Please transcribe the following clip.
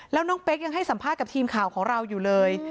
แล้วน้องเป๊กยังให้สัมภาษณ์กับทีมข่าวของเราอยู่เลย